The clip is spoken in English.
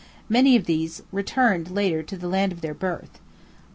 Many of these returned later to the land of their birth.